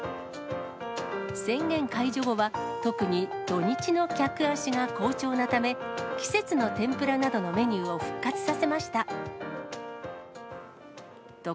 宣言解除後は、特に土日の客足が好調なため、季節の天ぷらなどのメニューを復活させました。